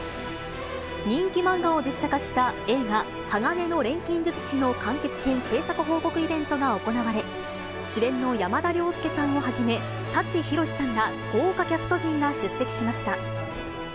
人気漫画を実写化した映画、鋼の錬金術師の完結編製作報告イベントが行われ、主演の山田涼介さんをはじめ、舘ひろしさんら、豪華キャスト陣が出席しました。